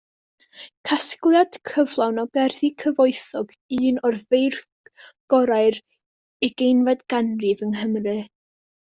Casgliad cyflawn o gerddi cyfoethog un o feirdd gorau'r ugeinfed ganrif yng Nghymru.